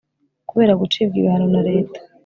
kubera gucibwa ibihano na reta